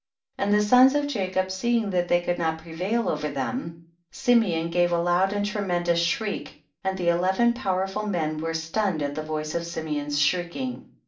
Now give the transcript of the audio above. And the sons of Jacob seeing that they could not prevail over them, Simeon gave a loud and tremendous shriek, and the eleven powerful men were stunned at the voice of Sime on's shrieking.